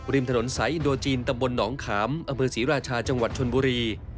ริมถนนสายอินโดรจีนตำบลหนองขามอศรีราชาจชนบุรี